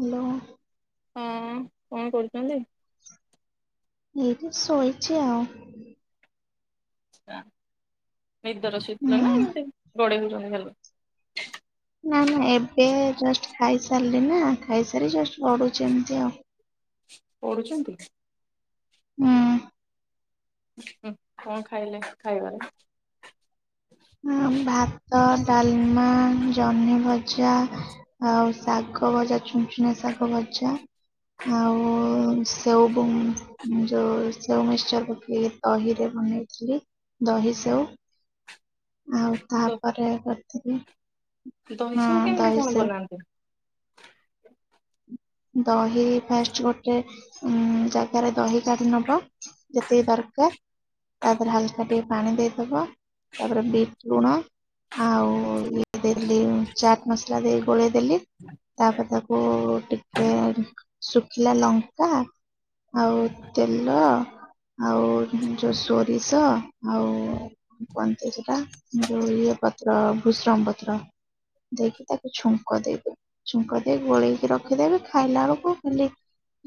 Hello. ହଁ କଣ କରୁଚନ୍ତି? ଏଇଟି ଶୋଇଛି ଆଉ। ରା ନିଦ ର ହୁଁ ଶୋଇଥିଲା ନା ଏମିତି ଗଡେଇ ହ ପୁଣି ଗଲେ। ନା ନା ଏବେ ଜଷ୍ଟ ଖାଇସାରଲି ନା। ଖାଇସାରି ଜଷ୍ଟ ପଢୁଛି ଏମତି ଆଉ ପଢୁଛନ୍ତି। ହୁଁ। ଉଁ ହୁଁ କଣ ଖାଇଲେ ଖାଇବାରେ? ଅଁ ଭାତ, ଡାଲମା, ଜହ୍ନି ଭଜା ଆଉ ଶାଗ ଭଜା, ଛୁନଛୁନା ଶାଗ ଭଜା ଆଉ ସେଉ ବୁନ୍ ଯୋଉ ସେଉ ମିକ୍ସଚର ପକେଇ ଦହିରେ ବନେଇଥିଲି ଦହି ସେଉ। ଆଉ ତାପରେ ଗଟ [unintelligible] ଦହିସେଉ କେମିତି କଣ ବନାନ୍ତି? ଦହି ଫାଷ୍ଟ ଗୋଟେ ଉଁ--ଜାଗାରେ ଦହି କାଢି ନବା ଯେତିକି ଦରକାର, ତାପରେ ହାଲକା ଟିକେ ପାଣି ଦେଇଦବା ତାପରେ ବିଟ୍ ଲୁଣ ଆଉ ଇଏ ଦେଲି ଚାଟ୍ ମସଲା ଦେଇ ଗୋଳେଇଦେଲି ତାପରେ ତାକୁ ଟିକ୍ କେ ଏ ଶୁଖିଲା ଲଙ୍କା, ଆଉ ତେଲ, ଆଉ ଯୋଉ ସୋରିଷ, ଆଉ କୁହନ୍ତି ସେଟା ଯୋଉ ଇଏ ପତ୍ର ଭୃସଙ୍ଗ ପତ୍ର ଦେଇକି ତାକୁ ଛୁଙ୍କ ଦେଇଦେବେ, ଛୁଙ୍କ ଦେଇ ଗୋଳେଇକି ରଖିଦେବେ। ଖାଇଲା ବେଳକୁ ଖାଲି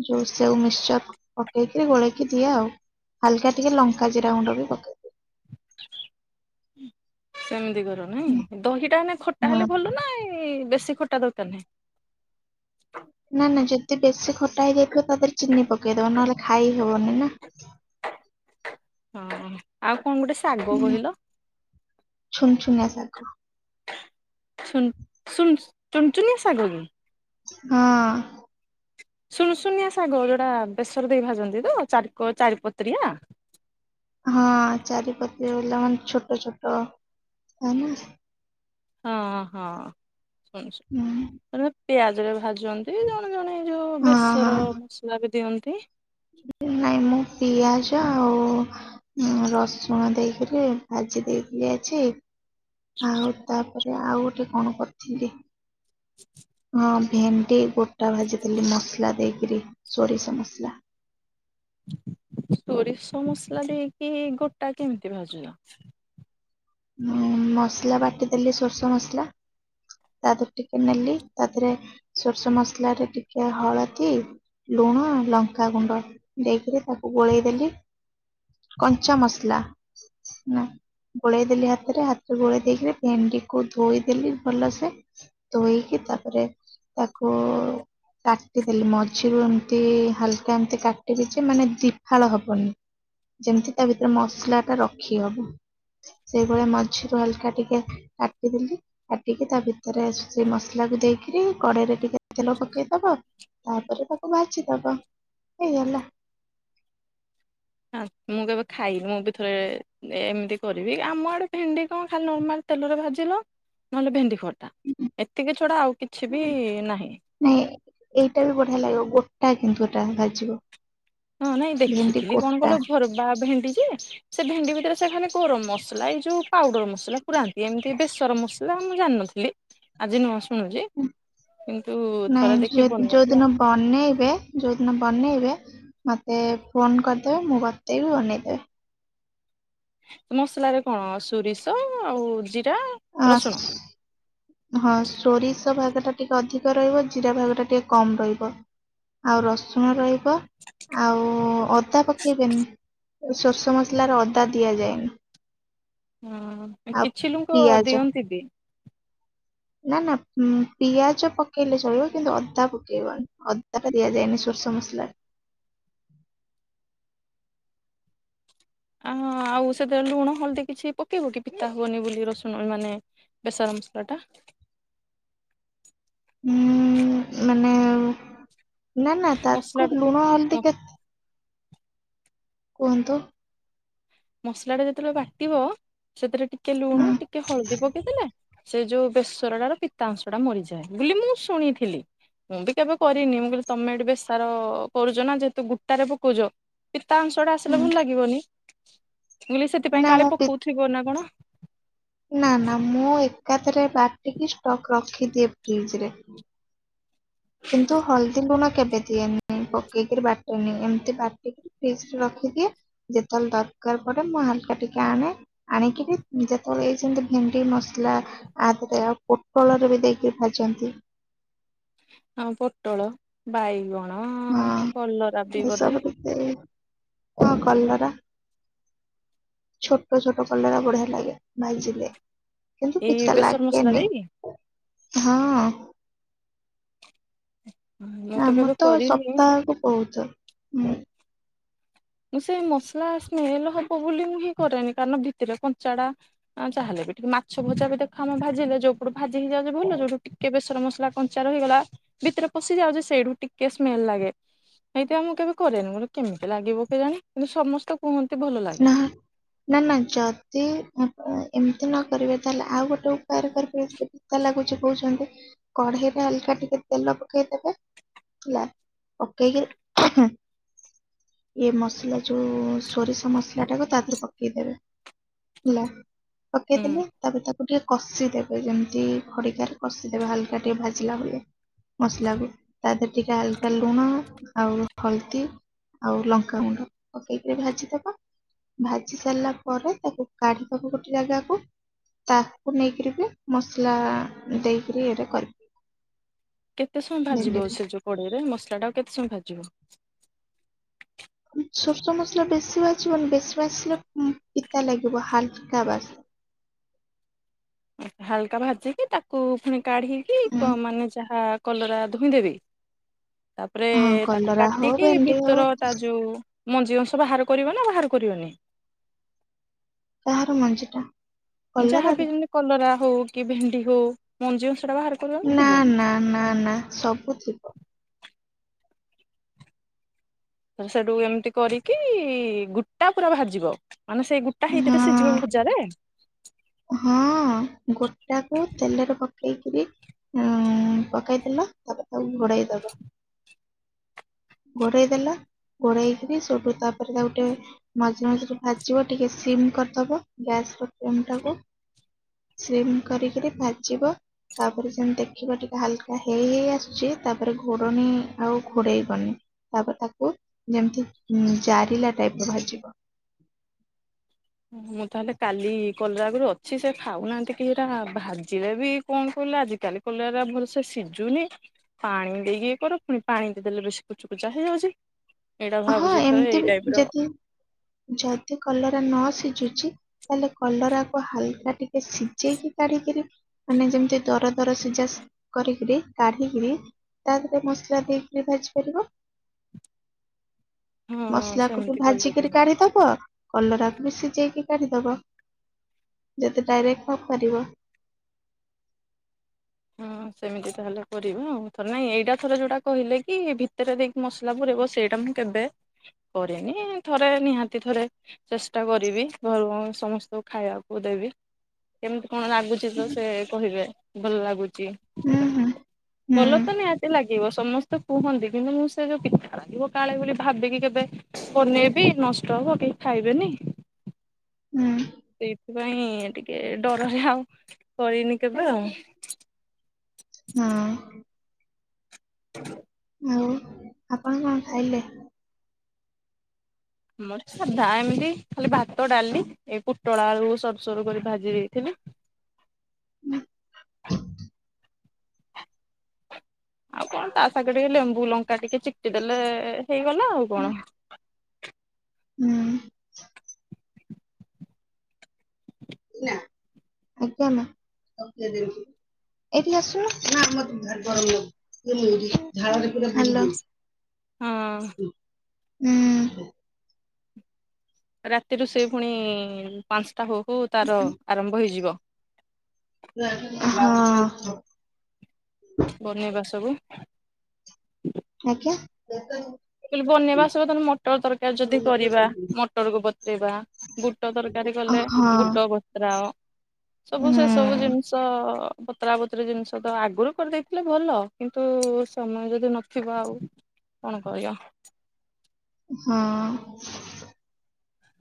ଯୋଉ ସେଓ ମିକସଚର ପକେଇକି ଗୋଳେଇକି ଦିଏ ଆଉ। ହାଲ୍ କା ଟିକେ ଲଙ୍କା ଜିରା ଗୁଣ୍ଡ ବି ପକେଇଦିଏ। ସେମ୍ ଦିଗ ଦନାହିଁ ଦହିଟା ହେନେ ଖଟା ହେଲେ ଭଲ ନାଇଁ ବେଶ୍ ସେ ଖଟା ଦରକାର ନାହିଁ। ନା ନା, ଯଦି ବେଶୀ ଖଟା ହେଇଯାଇଥିବ। ତା ଦେହରେ ଚିନି ପକେଇଦବ ନହେଲେ ଖାଇ ହବନି ନା। ହଁ ଆଉ । ହୁଁ ଛୁନ୍ ଛୁନା ଶାଗ। ଛୁନ୍ ଶୁନ୍ ଚୁନଚୁନିଆ ଶାଗ କି? ହଁ । ସୁନ୍ ଶୁନିଆ ଶାଗ ଯୋଉଟା ବେସର ଦେଇ ଭାଜନ୍ତି ତ? ଚାରି ଚାରିପତ୍ରିଆ । ହଁ, ଚାରିପତି ଲ ମାନେ ଛୋଟ ଛୋଟ ହେନା । ହଁ ହଁ । ହୁଁ [unintelligible] ପିଆଜରେ ଭାଜ ଜନ୍ତି ଜଣେ ଜଣେ ଏଇ ଯୋଉ ହଁ ହଁ ବେସର ମସଲା ବି ଦିଅନ୍ କି? ନାଇଁ, ମୁଁ ପିଆଜ ଆଉ ରସୁଣ ଦେଇକରି ଭାଜି ଦେଇଥିଲି ଆଜି। ଆଉ ତାପ ରେ ଆଉ ଗୋଟେ କଣ କରିଥିଲି? ହଁ ଭେଣ୍ଡି ଗୋଟା ଭାଜିଥିଲି ମସଲା ଦେଇକିରି ସୋରିଷ ମସଲା । ସୋରିଷ ମସଲା ଦେଇକି ଗୋଟା କେମତି ଭାଜିଲ? ଉଁ ମସଲା ବାଟି ଦେଲି ସୋରିଷ ମସଲା ତା ଧେରେ ଟିକେ ନେଲି ତା ଧେରେ ସୋରିଷ ମସଲାରେ ଟିକେ ହଳଦୀ, ଲୁଣ, ଲଙ୍କାଗୁଣ୍ଡ ଦେଇକରି ତାକୁ ଗୋଳେଇଦେଲି କଞ୍ଚା ମସଲା ନା ଗୋଳେଇ ଦେଲି ହାତରେ, ହାତରେ ଗୋଳେଇ ଦେଇକିରି ଭେଣ୍ଡି କୁ ଧୋଇଦେଲି ଭଲସେ ଧୋଇକି ତାପରେ ତାକୁ ଉ କାଟିଦେଲି ମଝିରୁ ଏମିତି ହାଲକା ଏମତି କାଟିଲି ଯେ ମାନେ ଦିଫାଳ ହବନି। ଯେମତି ତା ଭିତରେ ମସଲା ଟା ରଖିହବ । ସେଇଭଳିଆ ମଝିରୁ ହାଲକା ଟିକେ କାଟିଦେଲି। କାଟିକି ତା ଭିତରେ ସେଇ ମସଲାକୁ ଦେଇକିରି କଡେଇରେ ଟିକେ ତେଲ ପକେଇଦବ। ତାପରେ, ତାକୁ ଭାଜି ଦବ ହେଇଗଲା । ଆ ମୁଁ କେବେ ଖାଇନି। ମୁଁ ବି ଥରେ ଏମିତି କରିବି ଆମ ଆଡେ ଭେଣ୍ଡି କଣ ଖାଲି ନର୍ମାଲ ତେଲରେ ଭାଜିଲ ନହେଲେ ଭେଣ୍ଡି ଖଟ ଏତିକି ଛଡା ଆଉ କିଛି ବି ନାହିଁ । ଓଟା କିନ୍ତୁ ଏଟା ଭାଜିବ । ହଁ ନାଇଁ ଦେଖିଥିଲି କଣ କଲ ଭର ବା ଭେଣ୍ଡି । ସେ ଭେଣ୍ଡି ଭିତରେ ସେ ଗରମ ମସଲା ଏଇ ଯୋଉ ପାଉଡର ମସଲା ପୁରାନ୍ତି ଏମିତି ବେସର ମସଲା ମୁଁ ଜାିନଥିଲି ଆଜି ନୁଆ ସୁ। ନାଇଁ ଦେଖି ବନେଇବି ଆଉ ଯୋଉଦିନ ବନେଇବେ। ଯେଉଁଦିନ ବନେଇବେ ମୋତେ ଫୋନ୍ କରିଦେବେ ମୁଁ ବତେଇବି ବନେଇଦେବେ। ମସଲାରେ କଣ ସୋରିଷ ଆଉ ଜି। ଅ ହଁ ସୋରିଷ ଭା। ଅଧିକ ରହିବ ଜିରା ଫାଗା ଟିକ କ ରହିବ ଆଉ ରସୁଣ ରହ ଆଉ ଅଦା ପକେଇବେନି ସୋରିଷ ମସଲାରେ ଅଦା ଦିଆଯାଏନି । ହଁ କିଛି ଲୋକ ପିଆଜ ଦିଅନ୍ତି ବି । ନା ନା ପିଆଜ ପକେଇଲେ ଚଳିବ କିନ୍ତୁ ଅଦା ପକେଇବନି ଅଦା ଟା ଦିଆଯାଇଏନି ସୋରିଷ ମସଲାରେ । ଆଁ ଆଉ ସେଥିରେ ଲୁଣ ହଳଦୀ କିଛି ପକେଇବ କି ପିତା ହବନି ବୋଲି ରସୁଣ ମାନେ ବେସର ମସଲା ଟା । ହଁ ମାନେ ନା ନା ମସଲା ତାକୁ ଲୁଣ ହଳଦି କେ କୁହନ୍ତୁ । ମସଲା ଟା ଯେତେବେଳେ ବାଟିବ ସେଥିରେ ଟିକେ ଟିକେ ଲୁଣ ହୁଁ, ଟିକେ ହଳଦୀ ପକେଇଦେଲେ ସେ ଯୋଉ ବେସରଟାର ପିତା ଅଂଶ ଟା ମରିଯାଏ ବୋଲି ମୁଁ ଶୁଣିଥିଲି ମୁଁ ବି କେବେ କରିନି ମୁଁ କହିଲି ତମେ ଏଠି ବେସାର କରୁଛ ନା ଯେହେତୁ ଗୋଟାରେ ପକଉଛ ପିତା ଅଂଶଟା ଆସିଲେ ହୁଁ, ଭଲ ଲାଗିବନି। ମୁଁ କହିଲି ସେଥିପାଇଁ ନା କାଳେ ମୁଁ ପି- ପକଉଥିବ ନା କଣ। ନା ନା ମୁଁ ଏକାଥରେ ବାଟିକି ଷ୍ଟକ୍ ରଖିଦିଏ ଫ୍ରିଜରେ । କିନ୍ତୁ ହଳଦୀ ଲୁଣ କେବେ ଦିଏନି ପକେଇକିରି ବାଟେନି ଏମିତି ବାଟିକରି ଫ୍ରିଜ ରେ ରଖିଦିଏ ଯେତେବେଳେ ଦରକାର ପଡେ ମୁଁ ହାଲକା ଟିକେ ଆଣେ ଆଣିକିରି ଯେତେବେଳେ ହେଇ ଭେଣ୍ଡି ମସଲା ଆଦରେ ଆଉ ପୋଟଳରେ ବି ଦେଇକି ଭାଜନ୍ତି ହଁ ପୋଟଳ ବାଇଗଣ ହଁ କଲରା ବି ଏ ବୋଧେ ସବୁ ରଖି ହଁ କଲରା ଛୋଟ ଛୋଟ କଲରା ବଢିଆ ଲାଗେ ଭାଜିଲେ। କିନ୍ତୁ ଏଇ କିଛିଟା ବେସର ମସଲା ଲାଗେନି। ଦେଇକି ହଁ। ମୁଁ ଆମର କେବେ ତ କରିନି। ସପ୍ତାହକୁ ବହୁତଥର। ହୁଁ। ମୁଁ ସେଇ ମସଲା ସ୍ମେଲ ହବ ବୋଲି ମୁଁ ହିଁ କରେନି କାରଣ ଭିତରେ କଞ୍ଚାଡା ଯାହେଲେ ବି ଟିକେ ମାଛ ଭଜା ବି ଦେଖ ଆମେ ଭାଜିଲେ ଯୋଉପଟୁ ଭାଜି ହେଇଯାଉଛି ଭଲ ଯୋଉଟୁ ଟିକେ ବେଶି ଧର ମସଲା କଞ୍ଚା ରହିଗଲା ଭିତରେ ପଶି ଯାଉଛି ସେଇଠୁ ଟିକେ ସ୍ମେଲ ଲାଗେ ସେଇଥିପାଇଁ ମୁଁ କେବେ କରେନି ମୋର କେମିତି ଲାଗିବ। କେଜାଣି କିନ୍ତୁ ସମସ୍ତେ କୁହନ୍ତୁ ନା ନା ନାଇଁ ଜାତି ଏମିତି ନ କରିବେ ତାହେଲେ ଆଉ ଗୋଟେ ଉ ପାୟରେ କରିପାରିବେ ସେତିକି ଲାଗୁଛି। କହୁଛନ୍ତି କଢେଇରେ ହାଲକା ଟିକେ ତେଲ ପକେଇଦେବେ ହେଲା ପକେଇକି ଏ ମସଲା ଯୋଉ ସୋରିଷ ମସଲାଟାକୁ ତା ଧେରେ ପକେଇ ପକେଇ ଦେବେ ହେଲା। ହୁଁ। ପକେଇଦେଲେ ତାପରେ ତାକୁ ତାକୁ ଟିକେ କଷିଦେବେ ଯେମିତି ଖଡିକାରେ କଷିଦେବେ ହାଲକା ଟିକେ ଭାଜିଲା ଭଳିଆ। ମସଲାକୁ। ତା ଦେହରେ ଟିକେ ହାଲକା ଲୁଣ ଆଉ ହଳଦୀ ଆଉ ଲଙ୍କାଗୁଣ୍ଡ ପକେଇକରି ଭାଜିଦବ ଭାଜି ସାରିଲା ପରେ ତାକୁ କାଢିଦବ ଗୋଟେ ଜାଗାକୁ ତାକୁ ନେଇକିରି ବି ମସଲା ଦେଇକିରି ଇଏରେ କରି କେତେ ସମୟ ଭାଜିବ ସେ ଯୋଉ କଡେଇରେ ମସଲାଟାକୁ କେତେ ସମୟ ଭାଜିବ? ସୋରିଷ ମସଲା ବେଶୀ ଭାଜିବନି ବେଶୀ ଭାଜିଲେ ପିତା ଲାଗିବ ହାଲକା ଭାଜି ହାଲକା ଭାଜିକି ତାକୁ ପୁଣି କାଢ଼ିିକି ଉଁ, କ ମାନେ ଯାହା କଲରା ଧୋଇଁ ଦେବେ ତାପରେ ହଁ ତାକୁ କଲରା ହଉ କାଟିକି ଭେଣ୍ଡି ହଉ ଭିତର ତା ଯୋଉ ମଞ୍ଜି ଅଂଶ ବାହାର କରିବ ନା ବାହାର କରିବନି । ତାହାର ମଞ୍ଜିଟା। ଯାହାବି ଯେମତି କଲରା ହଉ କି ଭେଣ୍ଡି। ହ ମଞ୍ଜି ଅ ନା ନା ନା ନା ସବୁ ଥିବ । ସେଠୁ ଏମିତି କରିକି ଗୋଟ୍ଟା ପୁରା ବାହାରିବ । ମାନେ ସେଇ ଗୋଟା ହେଇଥିରେ ସିଝିବ ହଁ ଭଜାରେ ହଁ ଗୋଟାକୁ ତେଲରେ ପକେଇକିରି ଉ ପକେଇଦେଲ ତାପରେ ତାକୁ। ଗଡ଼େଇ ଦବ ଗୋଡେଇ ଦେଲା ଘୋଡେଇକି ସେଠୁ ତାପରେ ତାକୁ ଗୋଟେ ମଝିରେ ମଝିରେ ଭାଜିବ ଟିକେ ସିମ୍ କରିଦବ ଗ୍ୟାସର ଫ୍ଲେମ୍ ଟାକୁ । ସିମ କରିକରି ଭାଜିବ ତାପରେ ଯେମିତି ଦେଖିବ ଟିକେ ହାଲକା ହେଇ ହେଇ ଆସୁଛି ତାପରେ ଘୋଡ଼ଣିି ଆଉ ଘୋଡେଇ ବନି ତାପରେ ତାକୁ ଯେମିତି ଜାରିଲା ଟାଇପର ଭାଜିବ । ମୁଁ ତାହେଲେ କାଲି କଲରା ଆଗରୁ ଅଛି ସେ ଖାଉନାହାନ୍ତି କିହିଟା ଭାଜିଲେ ବି କଣ କିହିଲ ଆଜିିକାଲି କଲରା ଭଲ ସେ ସିଝୁନି । ପାଣି ଦେଇକି କର ପୁଣି ପାଣି ଦେଇ ଦେଲେ ବେଶୀ କୁଚୁକୁଚା ହେଇଯାଉଛି । ହଁ ଏମିତି ବି ଯଦି ଯଦି କଲରା ନ ସିଝ ତାଲେ କଲରାକୁ ହାଲ ଟିକେ ସିଝେଇକି କାଢିକି ମାନେ ଯେମିତି ଦର ଦର ସିଝା କରିକି କାଢିକିରି ତାହରେ ମସଲା ଦେଇକରି ଭାଜି ପାରିବ । ହଁ ମସଲାକୁ ବି ସେମିତି କରିଦେବି। ଭାଜିିକି କାଢିଦବ। କଲରାକୁ ବି ସିଝେଇକି କାଢିଦବ । ଯଦି ଡାଇରେକ୍ଟ କରିପାରିବ । ହଁ ସେମିତି ତାହେଲେ କର ଆଉ ଥରେ ନାଇଁ ଏଇଟା ଥରେ ଯୋଉଟା କହିଲେ କି ଭିତରେ ଦେଇକି ମସଲା ପୁରେଇବ ସେଇଟା ମୁଁ କେବେ କରିନି ଥରେ ନିହାତି ଥରେ ଚେଷ୍ଟା କରିବି ଘର ସମସ୍ତଙ୍କୁ ଖାଇବାକୁ ଦେବି କେମିତି। କଣ ଲାଗୁଛି ତ ସେ କହିବେ। ଭଲ ଲାଗୁଛି। ଭଲ ହୁଁ ହୁଁ ହୁଁ ତ ନିହାତି ଲାଗିବ ସମସ୍ତେ କୁହନ୍ତି କିନ୍ତୁ ମୁଁ ସେ ଯୋଉ ପିଠା ଲାଗିବ କାଳେ ବୋଲି ଭାବିକି କେବେ ବନେଇବି ନଷ୍ଟ ହବ କେହି ଖାଇବେନି । ହୁଁ । ସେଇଥିପାଇଁ ଟିକେ ଡରରେ ଆଉ କରିନି କେବେ ଆଉ । ହଁ । [unintelligible] ଆଉ । ଆପଣ କଣ ଖାଇଲେ? ମୋର ସାଧା ଏମିତି ଖାଲି ଭାତ ଡାଲି ଏ ପୋଟଳା ଆଳୁ ସରୁସରୁ କରି ଭାଜି ଦେଇଥିଲି ହୁଁ । ଆଉ କଣ ତା ସାଙ୍ଗରେ ଟିକେ ଲେମ୍ବୁ ଲଙ୍କା ଟିକେ ଚିପି ଦେଲେ ହେଇଗଲା ଆଉ ହୁଁ କଣ? ହୁଁ ଆଜ୍ଞା ମା ଏଠି ଆସୁନ ହାଲୋ [unintelligible] ହଁ । ହୁଁ । ରାତିରୁୁ ସେ ପୁଣି ପାଞ୍ଚ ତା ହଉ ହଉ ତାର ଆରମ୍ଭ ହେଇଯିବ । ହଁ । ବନେଇବା ସବୁ । [unintelligible] ଆଜ୍ଞା କ ବନେଇବା ସହି ମଟର ତରକାରୀ ହଁ ଯଦି କରିବା ମଟର କୁ ବତୁରେଇବା ବୁଟ ତରକାରୀ କଲେ ବୁଟ ବତୁରାଅ ହୁଁ ସବୁ ସେ ସବୁ ଜିନିଷ ବତୁରା ବତୁରି ଜିନିଷ ତ ଆଗରୁ କରିଦେଇଥିଲେ ଭଲ କିନ୍ତୁ ସମୟ ଯଦି ନଥିବ ଆଉ କଣ ହ ହଁ।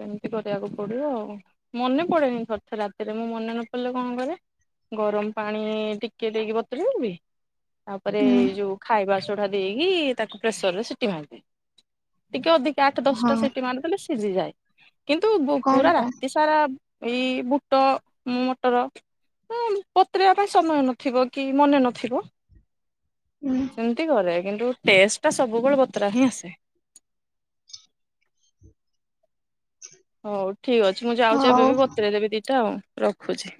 ଏମିତି କରିବାକୁ ପଡିବ ଆଉ ମନେ ପଡେନି କରିତେ ରାତିରେ ମୁଁ ମନେ ନ ପଡିଲେ କଣ କରେ ଗରମ ପାଣି ଟିକେ ଦେଇକି ବତୁରେଇ ଦେବି ତାପରେ ହୁଁ ଏଇ ଯୋଉ ଖାଇବା ଚଢା ଦେଇକି ତାକୁ ପ୍ରେସର ରେ ସିଟି ମାରିି ଟିକେ ଅଧିକ ଆଠ ଦଶଟା ହଁ ସିଟି ମାରିଦଲେ ଶିଝି ଯାଏ। କିନ୍ତୁ ପୁରା କଣଟା ରାତି ସାରା ଏଇ ବୁଟ ମଟର ବତୁରେଇବା ପାଇଁ ସମୟ ନଥିବ କି ମନେ ନଥିବ ହୁଁ ସେମିତି କରେ। କିନ୍ତୁ ଟେଷ୍ଟ ଟା ସବୁବେଳେ ବତରା ହିଁ ଆସେ। [unintelligible] ଠିକ୍ ଅଛି ମୁଁ ଯାଉଛି ଏବେ ହଉ ବି ବତୁରେଇ ଦେବି ଦିଟା ଆଉ। ରଖୁଛି।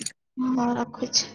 ହଁ ରଖୁଛି।